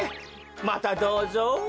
またどうぞ。